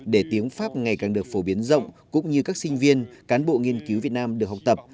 để tiếng pháp ngày càng được phổ biến rộng cũng như các sinh viên cán bộ nghiên cứu việt nam được học tập